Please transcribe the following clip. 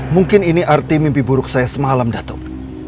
mungkin ini arti mimpi buruk saya semalam datang